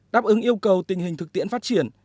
đáp ứng yêu cầu tình hình thực tiễn phát triển